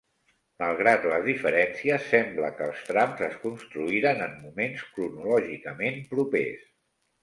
Malgrat les diferències, sembla que els trams es construïren en moments cronològicament propers.